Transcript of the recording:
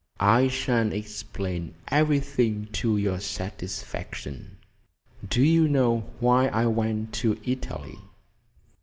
"I shall explain everything to your satisfaction. Do you know why I went to Italy?"